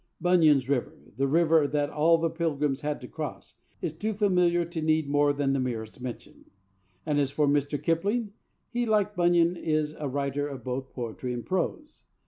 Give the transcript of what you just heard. Bunyan's river the river that all the pilgrims had to cross is too familiar to need more than the merest mention. And as for Mr. Kipling, he, like Bunyan, is a writer of both poetry and prose.